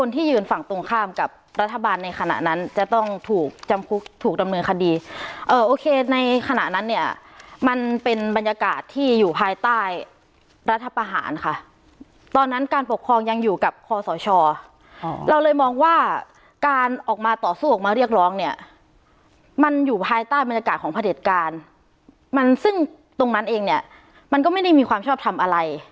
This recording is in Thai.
ที่ยืนฝั่งตรงข้ามกับรัฐบาลในขณะนั้นจะต้องถูกจำคุกถูกดำเนินคดีเอ่อโอเคในขณะนั้นเนี่ยมันเป็นบรรยากาศที่อยู่ภายใต้รัฐประหารค่ะตอนนั้นการปกครองยังอยู่กับคอสชเราเลยมองว่าการออกมาต่อสู้ออกมาเรียกร้องเนี่ยมันอยู่ภายใต้บรรยากาศของพระเด็จการมันซึ่งตรงนั้นเองเนี่ยมันก็ไม่ได้มีความชอบทำอะไร